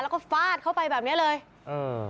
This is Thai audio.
แล้วก็ฟาดเข้าไปแบบเนี้ยเลยเออ